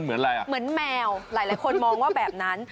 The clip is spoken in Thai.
อะไรอ่ะเหมือนแมวหลายคนมองว่าแบบนั้น